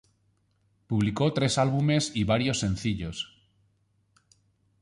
Publicó tres álbumes y varios sencillos.